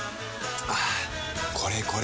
はぁこれこれ！